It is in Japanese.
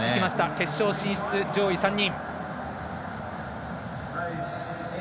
決勝進出、上位３人。